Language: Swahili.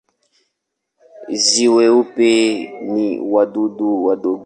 Nzi weupe ni wadudu wadogo.